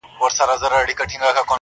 سبا چي راسي د سبــا له دره ولــوېږي,